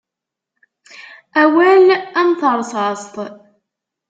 Awal am terṣṣaṣt.